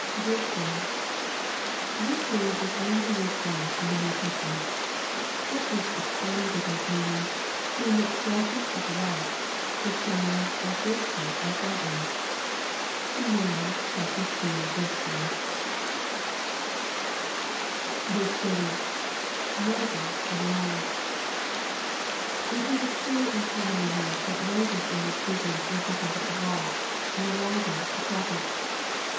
[Gligtering.] This word is only used once in the New Testa ment Parkhurst explains it as meaning, "to emit flashes of light^ to shine or glister as lightning." See Nahum iiL 3. 30. — [Moses and EUas.] It is a true and common remark that Moses in this vision represented the law, and Elijah the prophets.